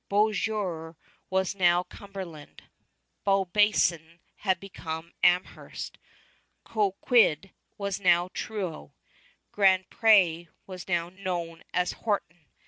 Beauséjour was now Cumberland. Beaubassin had become Amherst. Cobequid was now Truro. Grand Pré was now known as Horton.